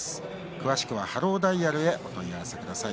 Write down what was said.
詳しくはハローダイヤルへお問い合わせください。